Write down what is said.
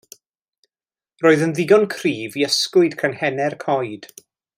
Roedd yn ddigon cryf i ysgwyd canghennau'r coed.